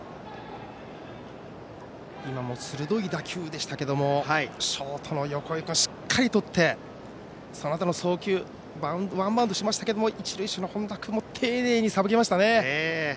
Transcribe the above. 今のも鋭い打球でしたけどショートの横井しっかりとってそのあとの送球ワンバウンドしましたけど一塁手の本田君も丁寧にさばきましたね。